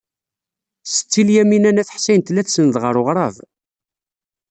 Setti Lyamina n At Ḥsayen tella tsenned ɣer weɣrab.